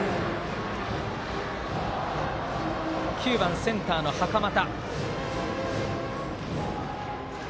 ９番センター、袴田。